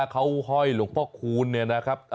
เขาห้อยหลวงพ่อคูณเนี่ยนะครับ